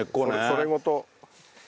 それごと。